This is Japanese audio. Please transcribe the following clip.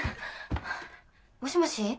もしもし？